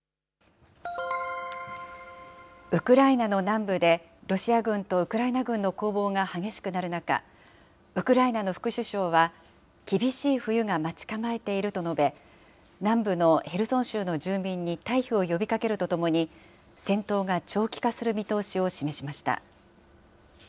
ウクライナの南部で、ロシア軍とウクライナ軍の攻防が激しくなる中、ウクライナの副首相は、厳しい冬が待ち構えていると述べ、南部のヘルソン州の住民に退避を呼びかけるとともに、戦闘が長期化する見通しを示しました。